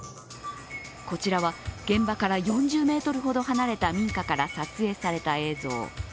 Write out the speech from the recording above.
こちらは、現場から４０ｍほど離れた民家から撮影された映像。